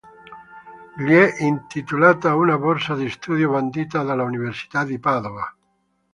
Gli è intitolata una borsa di studio bandita dall'Università di Padova.